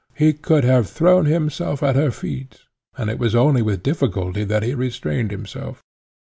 He could have thrown himself at her feet, and it was only with difficulty that he restrained himself.